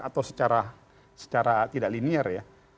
atau secara tidak linier ya